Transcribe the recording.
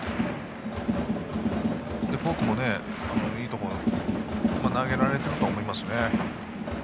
フォークもいいところに投げられていると思います。